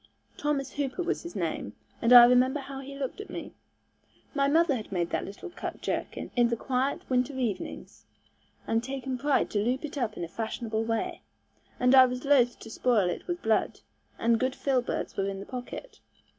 Thomas Hooper was his name, and I remember how he looked at me. My mother had made that little cut jerkin, in the quiet winter evenings. And taken pride to loop it up in a fashionable way, and I was loth to soil it with blood, and good filberds were in the pocket.